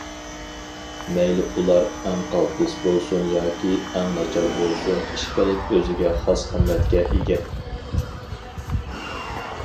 مەيلى ئۇلار‹‹ ئەڭ قالتىس›› بولسۇن ياكى‹‹ ئەڭ ناچار›› بولسۇن ئىشقىلىپ ئۆزىگە خاس قىممەتكە ئىگە.